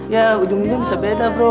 ya ujungnya bisa berbeda bro